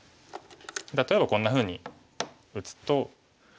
例えばこんなふうに打つと。